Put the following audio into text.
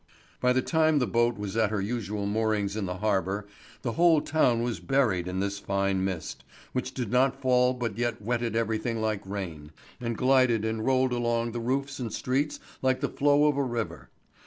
By the time the boat was at her usual moorings in the harbour the whole town was buried in this fine mist, which did not fall but yet wetted everything like rain, and glided and rolled along the roofs and streets like the flow of a river.